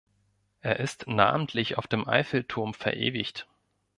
Er ist namentlich auf dem Eiffelturm verewigt.